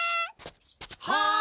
はい！